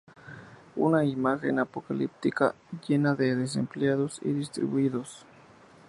Usa una imagen apocalíptica, llena de desempleados y disturbios.